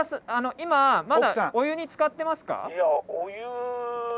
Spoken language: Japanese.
今まだお湯につかってますか？